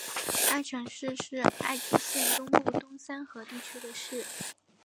新城市是爱知县东部东三河地区的市。